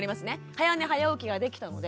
早寝早起きができたので。